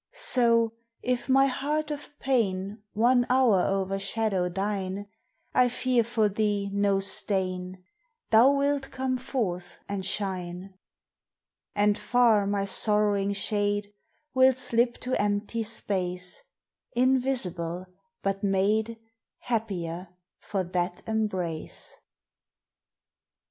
So if my heart of pain One hour o'ershadow thine, I fear for thee no stain, Thou wilt come forth and shine: And far my sorrowing shade Will slip to empty space Invisible, but made Happier for that embrace.